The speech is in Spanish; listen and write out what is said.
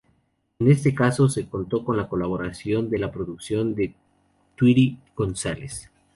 En este caso, se contó con la colaboración en la producción de Tweety González.